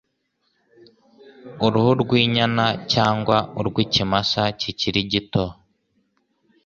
uruhu rw'inyana cyangwa urw'ikimasa kikiri gito